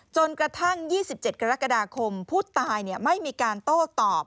จนกระทั่ง๒๗กรกฎาคมผู้ตายไม่มีการโต้ตอบ